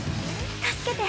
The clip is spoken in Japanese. ◆助けて！